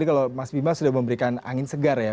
kalau mas bima sudah memberikan angin segar ya